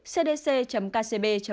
số bệnh nhân khỏi bệnh